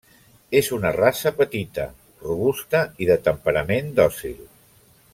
És una raça petita, robusta i de temperament dòcil.